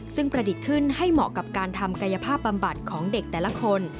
ซึ่งประดิษฐ์ขึ้นให้เหมาะกับการทำกายภาพบำบัดของเด็กแต่ละคน